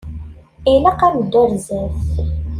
Ilaq ad neddu ar zdat.